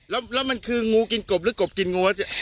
แล้วแล้วมันคืองูกินกบหรือกบกินงูว่าใช่